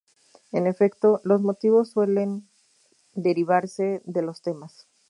En efecto, los motivos suelen derivarse de los temas.